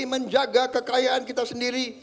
menjaga kekayaan kita sendiri